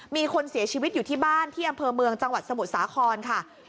มีคนเสียชีวิตอยู่ที่บ้านที่อำเภอเมืองจังหวัดสมุทรสาครค่ะ